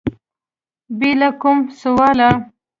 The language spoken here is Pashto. بې له کوم سواله